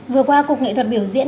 vừa qua cục nghệ thuật biểu diễn